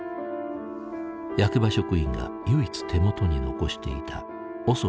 役場職員が唯一手元に残していたＯＳＯ１８の牙。